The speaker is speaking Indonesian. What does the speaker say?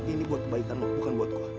ini buat kebaikan lo bukan buat gue